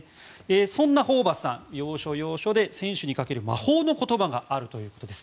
そんなホーバスさん要所要所で選手にかける魔法の言葉があるということです。